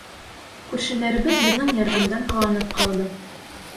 Күршеләребеҙ беҙҙең ярҙамдан ҡыуанып ҡалды.